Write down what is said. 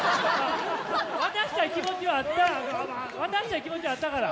渡したい気持ちはあった渡したい気持ちはあったから！